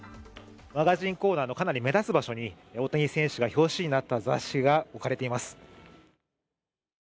マガジンコーナーのかなり目立つ場所に大谷選手が表紙になった雑誌が置かれています。